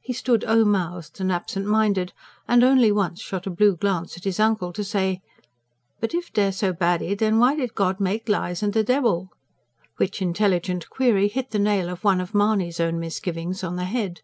He stood o mouthed and absentminded, and only once shot a blue glance at his uncle to say: "But if dey're so baddy ... den why did God MAKE lies an' de debble?" which intelligent query hit the nail of one of Mahony's own misgivings on the head.